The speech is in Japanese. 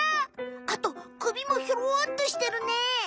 あとくびもヒョロっとしてるね！